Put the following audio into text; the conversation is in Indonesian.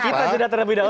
kita sudah terlebih dahulu